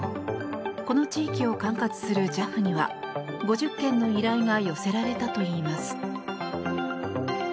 この地域を管轄するＪＡＦには５０件の依頼が寄せられたといいます。